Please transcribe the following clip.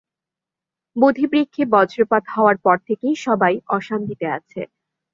বোধিবৃক্ষে বজ্রপাত হওয়ার পর থেকেই সবাই অশান্তিতে আছে।